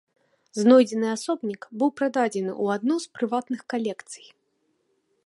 Знойдзены асобнік быў прададзены ў адну з прыватных калекцый.